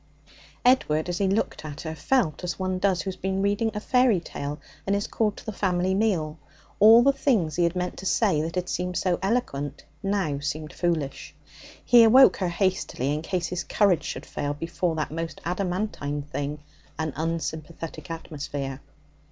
Edward, as he looked at her, felt as one does who has been reading a fairy tale and is called to the family meal. All the things he had meant to say, that had seemed so eloquent, now seemed foolish. He awoke her hastily in case his courage should fail before that most adamantine thing an unsympathetic atmosphere.